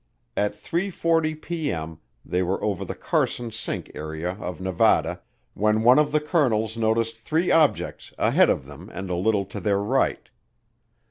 At 3:40P.M. they were over the Carson Sink area of Nevada, when one of the colonels noticed three objects ahead of them and a little to their right.